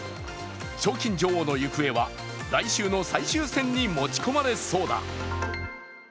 賞金女王の行方は来週の最終戦に持ち込まれそうだ。